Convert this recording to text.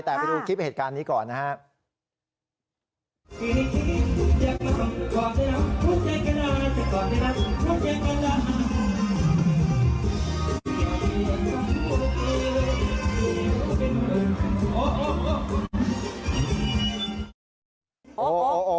แต่ไปดูคลิปเหตุการณ์นี้ก่อนนะครับ